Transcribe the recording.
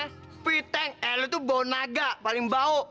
spiteng eh lu tuh bau naga paling bau